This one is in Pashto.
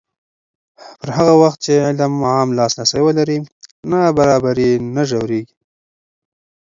پر هغه وخت چې علم عام لاسرسی ولري، نابرابري نه ژورېږي.